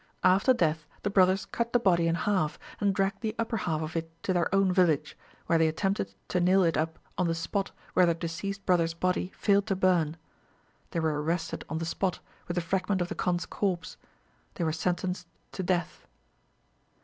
After death, the brothers cut the body in half and dragged the upper half of it to their own village, where they attempted to nail it up on the spot where their deceased brother's body failed to burn. They were arrested on the spot, with the fragment of the Kondh's corpse. They were sentenced to death.